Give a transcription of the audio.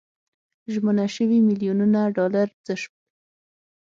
ژمنه شوي میلیونونه ډالر څه شول.